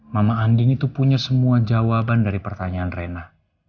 mama andi itu punya semua jawaban dari pertanyaan rena